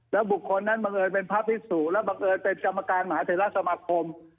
แล้วบุคคลนั้นบังเอิญเป็นพระพิสุแล้วบังเอิญเป็นกรรมการมหาเทราสมาคม